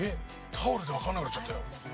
タオルでわかんなくなっちゃったよ。